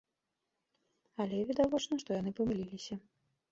Але відавочна, што яны памыліліся.